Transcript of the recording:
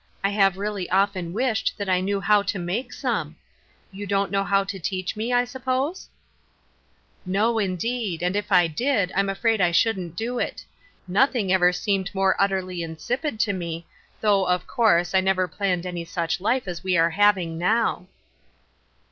I have really often wished that I knew how to make some. You don't know how to teach me, I suppose ?"" No, indeed ; and, if I did, I'm afraid I shouldn't do it. Nothing ever seemed more utterly insipid to me, though, of course, I never planned any such Hfe as we are having now."